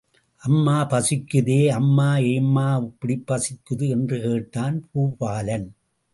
அம்மா, பசிக்குதே, அம்மா ஏம்மா இப்படிப் பசிக்குது? என்று கேட்டான் பூபாலன்.